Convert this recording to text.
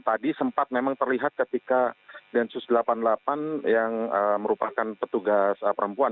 tadi sempat memang terlihat ketika densus delapan puluh delapan yang merupakan petugas perempuan